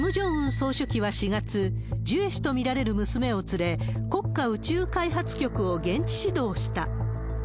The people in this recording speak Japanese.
総書記は４月、ジュエ氏と見られる娘を連れ、国家宇宙開発局を現地指導した。